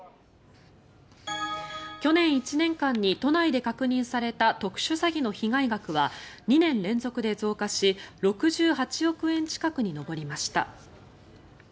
去年１年間に都内で確認された特殊詐欺の被害額は２年連続で増加し６８億円近くに上りました。